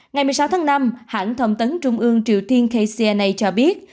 ngày một mươi sáu tháng năm hãng thông tấn trung ương triều tiên kcna cho biết